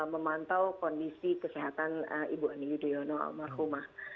memantau kondisi kesehatan ibu ani yudhoyono almarhumah